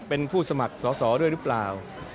เป็นผู้สมัครสอสอด้วยหรือเปล่า